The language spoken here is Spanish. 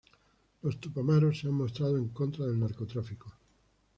Los Tupamaros se han mostrado en contra del narcotráfico.